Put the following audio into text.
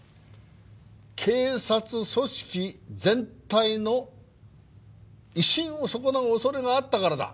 警察組織全体の威信を損なう恐れがあったからだ。